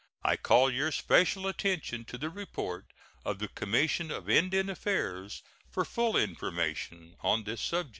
I call your special attention to the report of the Commissioner of Indian Affairs for full information on this subject.